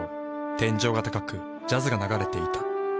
天井が高くジャズが流れていた。